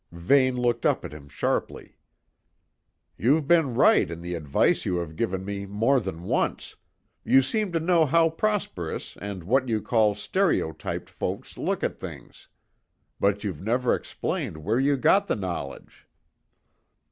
Vane looked up at him sharply. "You've been right in the advice you have given me more than once: you seem to know how prosperous and what you call stereotyped folks look at things. But you've never explained where you got the knowledge."